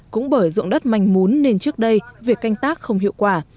cũng bởi dụng đất manh mún nên trước đây việc canh tác không hiệu quả